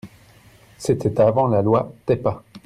C’était avant la loi TEPA.